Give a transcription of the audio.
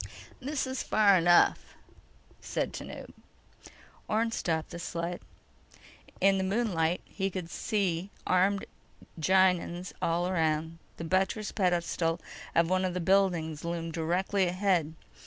_ "This is far enough," said Tanub. Orne stopped the sled. In the moonlight, he could see armed Gienahns all around. The buttressed pedestal of one of the buildings loomed directly ahead.